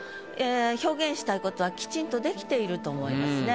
表現したいことはきちんと出来ていると思いますね。